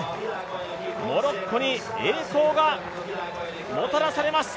モロッコに栄光がもたらされます